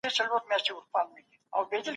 هغه قوانين چي د سوداګرۍ لپاره دي، ساده کړئ.